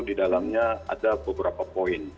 di dalamnya ada beberapa poin